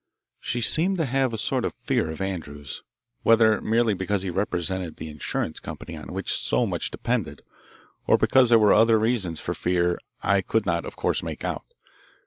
She seemed to have a sort of fear of Andrews, whether merely because he represented the insurance company on which so much depended or because there were other reasons for fear, I could not, of course, make out.